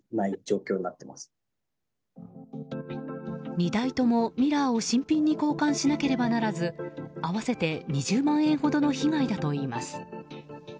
２台とも、ミラーを新品に交換しなければならず合わせて２０万円ほどの被害だといいます。